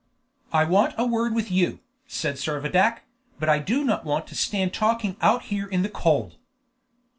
"I want a word with you," said Servadac, "but I do not want to stand talking out here in the cold."